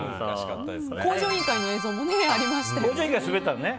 「向上委員会」の映像もありましたね。